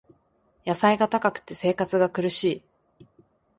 野菜が高くて生活が苦しい